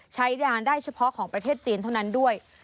ใช้งานได้เฉพาะของประเทศจีนเท่านั้นด้วย